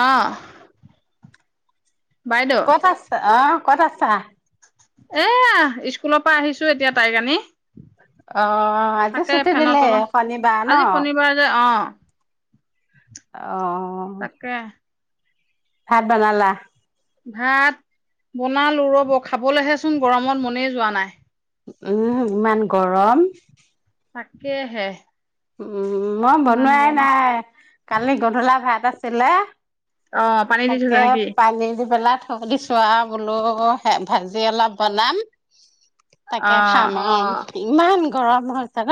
আহ ক'ত আ অ ক'ত আছা এয়া, স্কুলৰ পৰা আহিছো এতিয়া তাইক আনি। আহ আজি তাকে চতি ফেনৰ দিলে তলত শনিবাৰ ন আজি শনিবাৰ যে অ', আহ তাকে ভাত ব নালা ভাত বনালো ৰব খাবলৈহে চোন গৰমত মনেই যোৱা নাই উম ইমান গৰম। তাকে হে উম মই বনোৱাই নাই কালি গধূলা ভাত এটা ছিলে অ', পানী দি থৈছা তাকে নেকি? পানি দিিবেল থ দিছো আৰু বোলো ভাজি অলপ বনাম অ', [unintelligible] ইমান গৰম হয় ত ন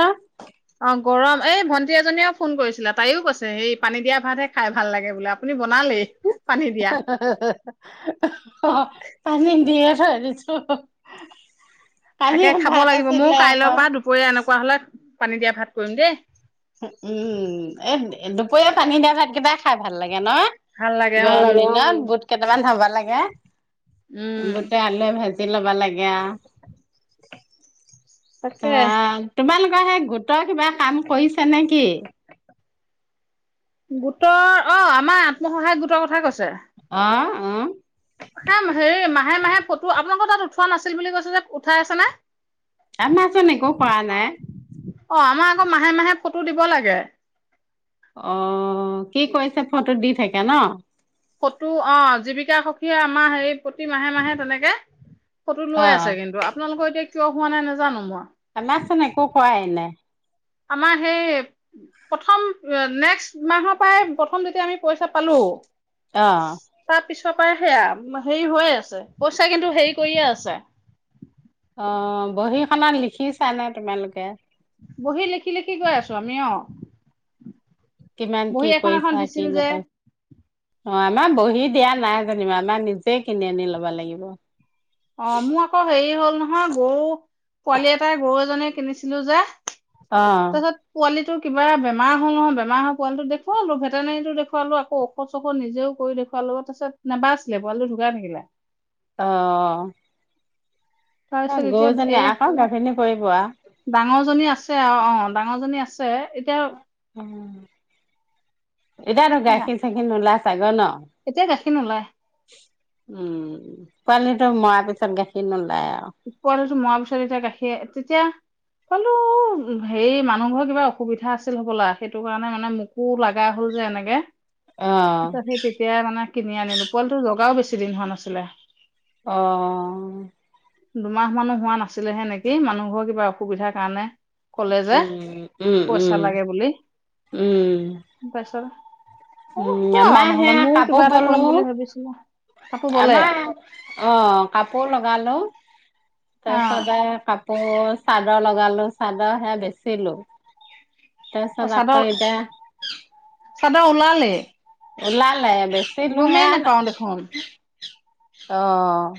অ গৰম এই ভণ্টি এজনীও ফোন কৰিছিলা তাইও কৈছে সেই পানী দিয়া ভাতহে খাই ভাল লাগে বোলে আপুনি বনালেই। পানী দিয়া অ পানী দি আ ছো তাকে খাব লাগিব ময়ো কাইলৈৰ পৰা দুপৰীয়া এনেকুৱা হলে পানী দিয়া ভাত কৰিম দেই। উম এ দুপৰীয়া পানী দিয়া ভাত কিবাই খাই ভাল লাগে ভাল লাগে উম, [unintelligible] কেইটামান হবা লাগে উম, বতে আল ভ তি ল'বা লাগে অ তাকে। তোমালোক সেই গোটৰ কিবা কাম কৰিছে নেকি? গোটৰ অ', আমাৰ আত্মসহায়ক গোটৰ কথাই কৈছে। আহ উম হ হেৰি মাহে মাহে ফটো আপোনালোকৰ তাত উঠোৱা নাছিল বুলি কৈছে যে উঠাই আছে নে? আমা চুন একো কৰা নাই অ' আমাৰ আকৌ মাহে মাহে ফটো দিব লাগে অ', কি কৈছে ফটো দি থাকে ন। ফটো অ জীৱিকা সখী অ আমাৰ সেই প্ৰতি মাহে, মাহে তেনেকে। ফটো অ লৈ আছে কিন্তু আপোনালোকৰ এতিয়া কিয় হোৱা নাই নে জানো মই। আমা চুন একো কোৱাই নাই আমাৰ সেই, প্ৰথম নেক্সট মাহৰ পৰাই প্ৰথম যেতিয়া আমি পইচা পালো, অ তাত সোত। পিছৰ পৰাই সেয়া, হেৰি হৈয়ে আছে, পইচা কিন্তু হেৰি কৰিয়ে আছে। অ বহীখনত লিখিছা নে তোমালোকে। বহি লিখি লিখি গৈ আছো আমি অ। কিমান বহি কি এখন এখন কৰিইছা দিছিল কি যে নাপাছা। অ' আমাৰ বহি দিয়া নাই যেনিবা, আমাৰ নিজে কিনি আনি লব লাগিব। অ' মোৰ আকৌ হেৰি হ'ল নহয়, গৰু পোৱালি এটাই গৰু এজনীক। কিনিছিলো যে। অ তছত কোৱালিটো কিবা বেমাৰ হল বেমাৰ হৈ পোৱালিটো দেখুৱালো ভেটেনেৰীতো দেখোৱালো, আকৌ ঔষধ চৌষধ নিজেও কৰি দেখুৱালো, তাৰ পিছত নাবাছিলে পোৱালীতো ধোকাই থাকিলে। অহ। তাৰপিছত এতিয়া এ গৰুজনী আকৌ গাভিনী পৰিব আ। নী আছে অ' অ' ডাঙৰ জনী আছে। ছে এতিয়া। এতিয়া তো সেয়া, গাখীৰ চাখীৰ নোলায়। চাগনহ এতিয়া গাখীৰ নোলায় উম পোৱালীটো মৰা পিছত গাখীৰ নোলায় আৰু। পোৱালীটো মৰা নাছিল যে, গাখীৰ তেতিয়া পোৱালীটো হেৰি, মানুহৰ কিবা অসুবিধা আছিল চাগে তেতিয়া। সেইটো কাৰণে মোকো লগা হ'ল যে এনেকে। অ', এতিয়া চি তেতিয়াই মানে কিনি আনিলোঁ, পোৱালীটো ল'বও বেছি বেছি দিন হোৱা নাছিলে। অঁ দুমাহ মানো হোৱা নাছিলেহে নেকি মানুহ ঘৰৰ কিবা অসুবিধাৰ কাৰণে ক'লে যে উম উম পইচা উম লাগে বুলি উম তাৰপিছত অ উম হ'ব আৰু আমাৰ নহ'লে সেয়া ময়ো কিবা কাপোৰ এটা কৰিম বুলোঁ বুলি ভাবিছিলো কাপোৰ বলে আমাৰ অঃ কাপোৰ লগালোঁ ত অ চজাই কাপ। পৌ চাদৰ লগালো চাদৰ হৈয়া বেচিলো। তাৰপিছত অ', আকৌ চাদৰ এতিয়া চাদৰ ওলালে। ওলালে। বেছি নুহে ন দেখোন অ',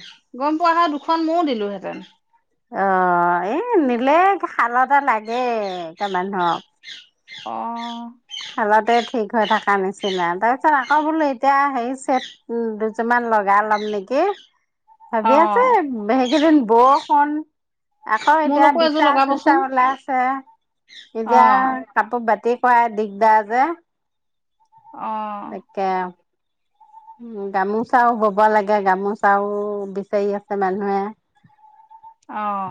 গম পোৱা আহা দুখন ময়ও দিলোহেঁতেন। অ ', এই নিলে খাল এটা লাগে এটা মানুহক অ আলতে ঠিক হৈ থকা নিচিনা তাৰপিছত আকৌ বোলো এতিয়া হেই চেট দুযোৰমান লগাই ল'ম নেকি অ ভাবি আছে হে গৰেণ ব অন আকৌ এতিয়া মোলৈকো এযোৰ বিশাস চোচা লগাবচোন ওলাই আছে। অ এয়া কাপ বতি পায় দিগদাৰ যে। অ একে উ গামোচাও বব লাগে গামোচাও বিচাৰি আছে মানুহে। অহ।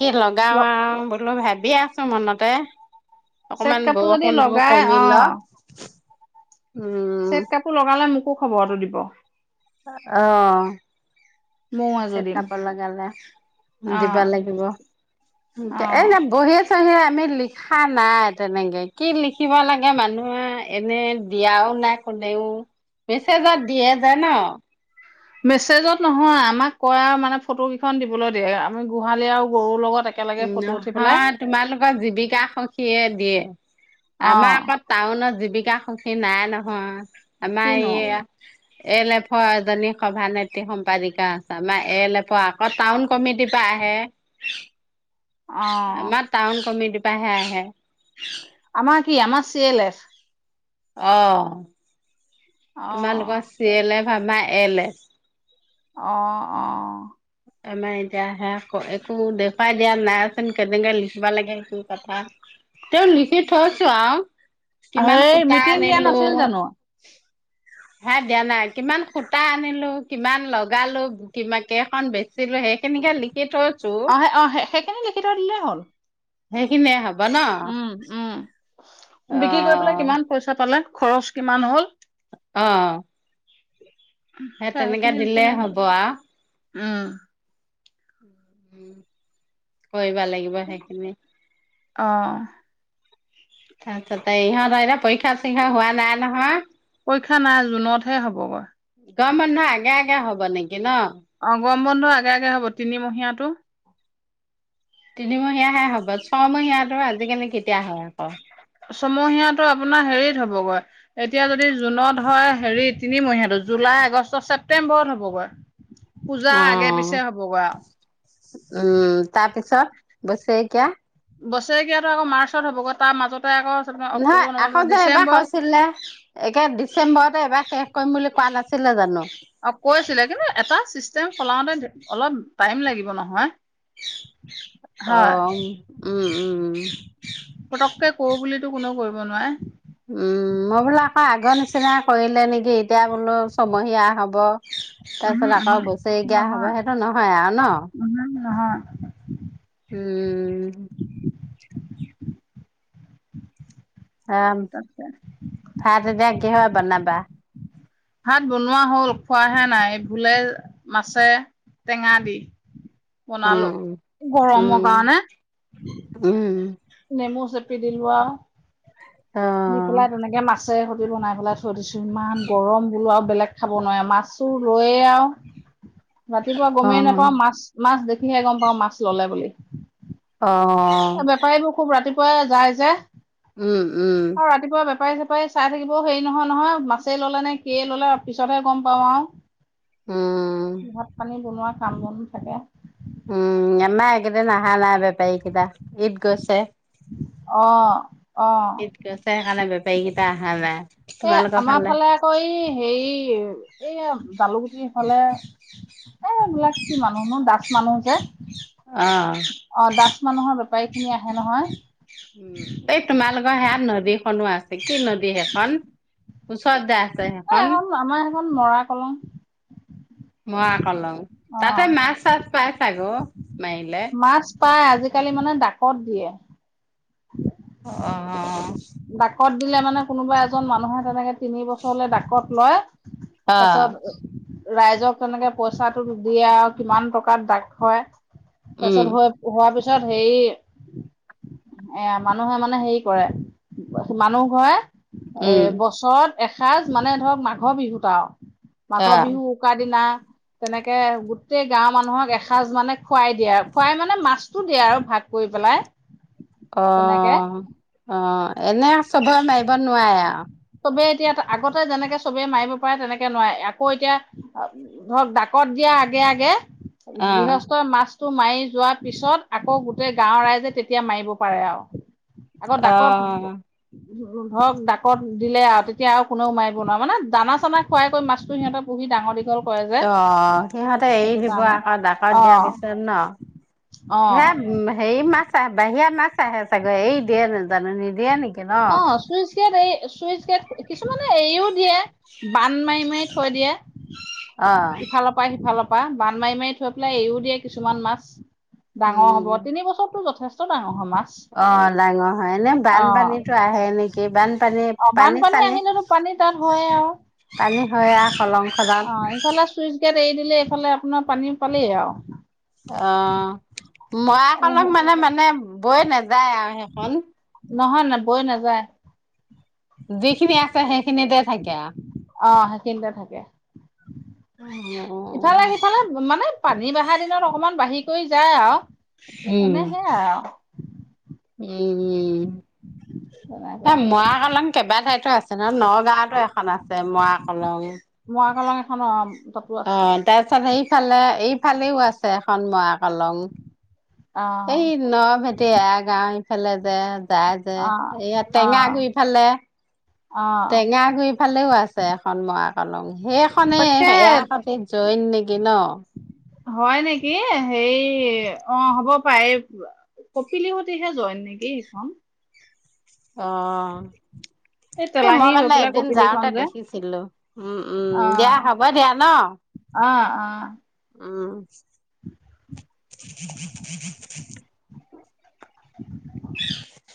কি লগাওঁ আৰু বোলো ভাত ভাবি আছো মনতে। চেট অকমান কাপোৰ যদি বৰষুণটো লগাই কমি অ'। লওক উম চেট কাপোৰ লগালা মোকো খবৰটো দিব। অহ। ময়ো এযোৰ ছেট দিম কাব লগালে অ দিব লাগিব অ এই যে বহিয় চহিয়ে আমি লিখা নাই তেনেকে কি লিখিব লাগে মানুহে এনে দিয়াও নাই কোনেও মেছেজত দিয়ে যে ন'। মেছেজত নহয় আমাক কয়ে মানে ফটো কেইখন দিবলৈ দিয়ে আমি গোহালি আৰু গৰুৰ লগত একেলগে ফটো উঠি পেলাই নহয়, তোমালোকৰ জীৱিকা সখীয়ে দিয়ে, অ আমাৰ আকৌ টাউনত জী বিকা সখী নাই নহয়। আমা কিনো ইয়া এ এল এফৰ এজনী সভানেত্ৰী সম্পাদিকা আছে আমাৰ এ এল এফৰ আকৌ টাউন কমিটিৰ পৰা আহে। অ আমাৰ টাউন কমিটি পা হে আহে। আমাৰ কি? আমাৰ চি এল এচ অহ। অ তোমালোকৰ চিয়ে এল এফ ফামা এল এ অ', অ'। আমাৰ এতিয়া সেয়া একো দেখুৱাই দিয়া নাইচোন কেনেকে লিখিবা লাগে কি কথা তেওঁ লিখি থৈছো আৰু। কিমান সেই সূতা মিটিং দিয়া নাছিল জানো? হা দিয়া নাই কিমান সুতা আনিলো, কিমান লগালো কি কেইখন বেচিলো সেইখিনিকে লিখি থৈ অহ অহে সেইখিনি লিখি থৈদিলেই হ'ল। সেইখিনিয়ে হ'ব ন উম অ উম বিক্ৰী কৰি পেলাই কিমান পইচা পালে। খৰচ কিমান হ'ল। অ সেই তেনেকে সেইখিনি দিলে লিখিলেই হ'ল হ'ব আ উম [unintelligible] কৰিব লাগিব সেইখিনি। অ [unintelligible] ইহঁত পৰীক্ষা চৰীক্ষা হোৱা নাই নহয় পৰীক্ষা নাই জুনতহে হ'বগৈ। গৰম বন্ধ আগে আগে হ'ব নে কিনক অ গৰম বন্ধ আগে আগে হ'ব তিনিমহীয়াটো তিনিমহীয়াহে হব ছয়মহীয়াটো আজিকালি কেতিয়া হয় আকৌ। ছমহীয়াটো আপোনাৰ হেৰিত হ'বগৈ এতিয়া যদি জুনত হয়, হেৰি তিনিমহীয়াটো জুলাই, আগষ্ট, ছেপ্তেম্বৰত হ'বগৈ। পূজা অ আগে উম পিছে হ'বগৈ আৰু তাৰপিছত চব বছৰেকীয়া বছৰেকীয়াটো আকৌ মাৰ্চত হ'বগৈ তাৰ মাজত নহয় আকৌ যে এবাৰ কৈছিলে একে ডিচেম্বৰতে এবাৰ শেষ। কম বুলি কোৱা নাছিলে জানো? অ কৈ আছিলে কিন্তু এটা চিষ্টেম সলাওঁতে অলপ টাইম লাগিব নহয় অ হয় উম উম টো কোনো কৰিব নোৱাৰে উম মই বোলো আকৌ আগৰ নিচিনা কৰিলে নেকি এতিয়া বোলো ছমহীয়া হব উহু তাৰপিছত আকৌ উহু বছৰকীয়া হ'ব নহয় সেইটো নহয় আৰু ন উহু নহয় উম, অ তাকে ভাত এতিয়া কিহৱে বনাবা ভাত বনোৱা হ'ল খোৱাহে নাই ভোলে মাছে টেঙা দি বনালো উম গৰমৰ কাৰণে উম উম নেমু চেপি দিলো আও দি অ'। পেলাই তেনেকে মাছ মাছে সৈতে বনাই পেলাই থৈ দিছো ইমান গৰম বোলো আৰু বেলেগ খাব নোৱাৰে মাছো ৰয়ে আৰু ৰাতিপুৱা অ', গমেই নাপাওঁ মাছ মাছ দেখি সহে গম পাওঁ মাছ ললে বুলি। অ', বেপাৰীবোৰ খুব ৰাতি ক যায় যে উম উম চপাৰি চপাৰি চাই থাকিব হেৰি নহয় নহয় মাছেই ললে নে কিয়ে ললে পিছতহে গম পাওঁ উম, আৰু। ভাত পানী বনোৱাত কাম বনো থাকে উম আমা এইকেইদিন অহা নাই বেপাৰীকেইটা ঈদ গৈছে অ অ। ঈদ গৈছে [unintelligible] এ আমাৰ ফালে আকৌ এই হেৰি এই জালু গুটিৰ ফালে, এ এবিলাক কি মানুহ ন দাচ মানুহ যে অ', অ দাচ মানুহৰ বপ বেপাৰী খিনি আহে নহয় উম এই তোমালোকৰ সেয়াত নদীখনো আছে কি নদী সেইখন ওচৰত যে আছে এ সেইখন এখন আমাৰ সেইখন মৰা কলং [inaudible] মই আকৌ লম অ তাতে মাছ চাছ পাই চাগো মাইলে মাছ পাই আজিকালি মানে ডাকত দিয়ে অ ডাকত দিলে মানে কোনোবা এজন মানুহে তেনেকে তিনি বছৰলে ডাকত লয় অ। তাৰপিছত ৰাইজক তেনেকে পইচাটো দিয়ে আৰু কিমান টকাত দাগ হয় তাৰ উম, পিছত হোৱাৰ পিছত তাৰ পিছত হেৰি এ মানুহে মানে হেৰি কৰে মানুহ ঘৰে উম, এ বছৰত- এসাঁজ মানে ধৰক মাঘৰ বিহুত আৰু মাঘৰ অ', বিহু উৰুকা দিনা- তেনেকে গোটেই গাঁওৰ মানুহক এসাঁজ মানে খুৱাই দিয়ে আৰু খুৱাই মানে মাছটো দিয়ে আৰু ভাগ কৰি পেলাই। তেনেকে অঅঅ অঅ। এনে চবৰে মাৰিব নোৱাৰে আৰু? চবেই এতিয়া আগতে যেনেকৈ চবেই মাৰিব পাৰে তেনেকৈ নোৱাৰে, আকৌ এতিয়া ধৰক ডাকত দিয়াৰ আগে আগে- অ'। গৃহস্থই মাছ- টো মাৰি যোৱাৰ পিছত, আকৌ গোটেই গাঁওৰ ৰাইজে তেতিয়া মাৰিব পাৰে আৰু। আকৌ ডাকত- অ'। ধৰক ডাকত- দিলে আৰু, তেতিয়া আৰু কোনেও মাৰিব নোৱাৰে, মানে দানা-চানা খুৱাই কৈ মাছটো সিহঁতে পুহি ডাঙৰ দী- অঅঅ, সিহঁতে এৰি দিব কাৰণে আকৌ ডাকত অ দিয়াৰ পিছত ন, অ হেয়া হেৰি মাছ বাহিৰা মাছ- আহে চাগৈ এৰি দিয়ে জা- জানোঁ নিদিয়ে নে- অ' চুইছ গেট এই- চুইচ গেট কিছুমানে এৰিও দিয়ে, বান মাৰি, মাৰি থৈ দিয়ে। অ ইফালৰ পৰা সিফাল- পৰা বান্ধ মাৰি, মাৰি থৈ পেলাই এৰিও দিয়ে কিছুমান মাছ। ডাঙৰ হ'ব উম তিনি বছতটো যথেষ্ট। চব ডাঙৰ - অ' ডাঙৰ হয়, এনে অ বানপানীতো আহে নেকি? বানপানীত অ বানপানী পানী-চানী, আহিলেতো পানী তাত হয় আৰু পানী হয় আৰু খনত অ' ইফালে চুইছ গেট এৰি দি- লে এইফালে আপোনাৰ পানী পালেই আৰু। অঅ। মৰাকলং মানে মানে- বয়ে না- যায় আৰু সেইখন? নহয়, বৈ নাযায়। যিখিনি আছে সেইখিনিতে থাকে আৰু? অ সেইখিনতে থাকে। আৰু ইফালে-সিফালে মানে, পানী বাঢ়াৰ দিনত অকনমান বাঢ়ি- কৰি যায় আৰু। উম্। এনে সেয়াই আৰু উম, উম। এ তেনেকুৱা মৰা কলং কেইবা ঠাইত [unintelligible] আছে নগাওঁটো এখন আছে মৰা কলং মৰা কলং এখন অ তাতো আছে অ', তাৰ পিছত এই ইফালে এইফালেও আছে এখন মআকলং। অ এই নভেটি এৰাগাওঁ ফালে যে যায় যে অ এয়া অ টেঙা গুৰি ফালে, অ টেঙা গুৰি ফালেও আছ আছে এখন মাআকলং। সেইখনে তাকে সেইয়া সতি জইন নেকি ন? হয় নেকি হেয়ি অ', হ'ব পাৰে এই কপিলি সতিহে জইন নেকি সিখন? অ', এই তেলাহী মই হৈ মানে পেলাই এদিন কপিলিখন যাওঁতে যে দেখিছিলো। উম, উম, অ দিয়া হ'ব দিয়া ন? অ অ উম। [inaudible]